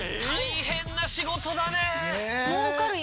大変な仕事だね。